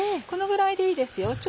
このぐらいでいいですよ